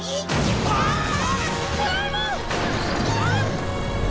うわーっ！